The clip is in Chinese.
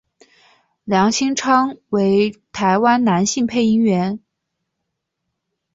梁兴昌为台湾男性配音员。